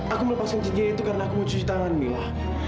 aku melepaskan sejah itu karena aku mau cuci tangan mila